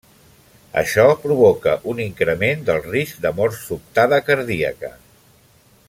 Això, provoca un increment del risc de mort sobtada cardíaca.